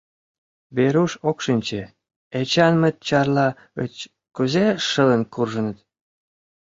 Веруш ок шинче: Эчанмыт Чарла гыч кузе шылын куржыныт.